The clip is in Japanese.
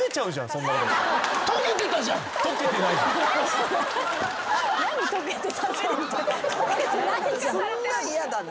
そんなん嫌だな。